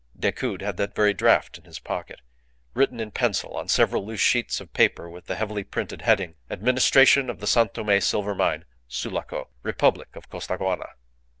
Decoud had that very draft in his pocket, written in pencil on several loose sheets of paper, with the heavily printed heading, "Administration of the San Tome Silver Mine. Sulaco. Republic of Costaguana."